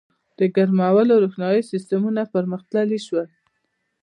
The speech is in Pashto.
• د ګرمولو او روښنایۍ سیستمونه پرمختللي شول.